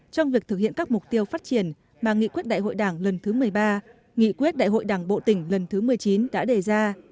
trong việc thực hiện các mục tiêu phát triển mà nghị quyết đại hội đảng lần thứ một mươi ba nghị quyết đại hội đảng bộ tỉnh lần thứ một mươi chín đã đề ra